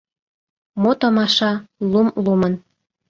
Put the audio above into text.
Мо томаша, лум лумын.